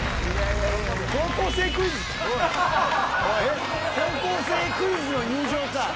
『高校生クイズ』の友情か！